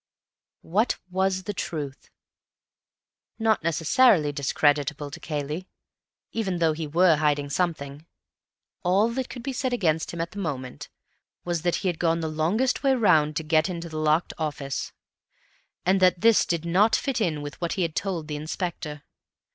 What was the truth? Not necessarily discreditable to Cayley, even though he were hiding something. All that could be said against him at the moment was that he had gone the longest way round to get into the locked office—and that this did not fit in with what he had told the Inspector.